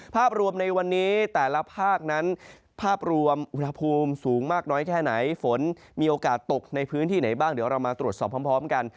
ภาพรวมในวันนี้แต่ละภาคนั้นภาพรวมอุณหภูมิสูงมากน้อยแค่ไหนฝนมีโอกาสตกในพื้นที่ไหนบ้างเดี๋ยวเรามาตรวจสอบพร้อมกัน